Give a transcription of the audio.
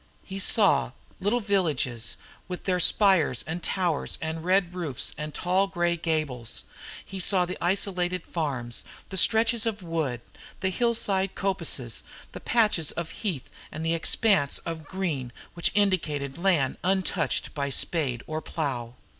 He saw the little villages, with their spires and towers and red roofs and tall grey gables; he saw the isolated farms, the stretches of wood, the hillside coppices, the patches of heath and the expanses of green which indicated land untouched by spade or plough.